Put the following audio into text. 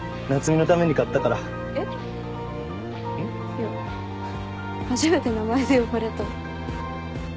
いや初めて名前で呼ばれた。